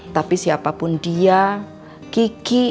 tapi siapapun dia kiki